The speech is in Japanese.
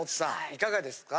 いかがですか？